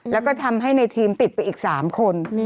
แล้วก็ทำให้ในทีมติดไปอีก๓คน